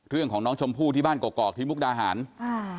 เรื่องของน้องชมพู่ที่บ้านกรอกกอกที่มุกดาหารอ่า